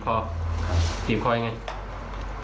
ครับบีบคอยังไง